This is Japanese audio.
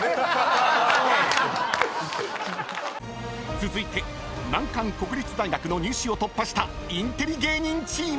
［続いて難関国立大学の入試を突破したインテリ芸人チーム］